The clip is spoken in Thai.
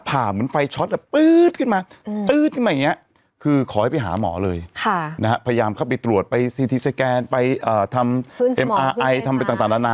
ถ้าอยู่ในเมืองซักปีงกัน